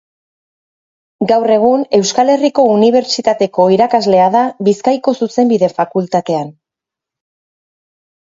Gaur egun Euskal Herriko Unibertsitateko irakaslea da Bizkaiko Zuzenbide Fakultatean.